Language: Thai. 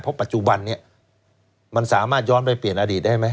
เพราะปัจจุบันนี้มันสามารถย้อนไปเปลี่ยนอดีตได้ไหม